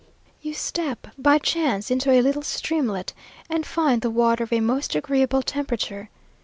You step by chance into a little streamlet, and find the water of a most agreeable temperature.